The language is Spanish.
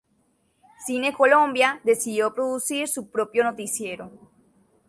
Cine Colombia, decidió producir su propio noticiero.